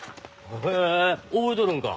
へえ覚えとるんか。